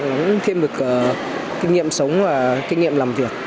cũng thêm được kinh nghiệm sống và kinh nghiệm làm việc